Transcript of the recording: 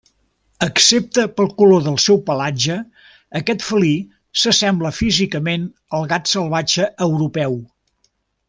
Excepte pel color del seu pelatge, aquest felí s'assembla físicament al gat salvatge europeu.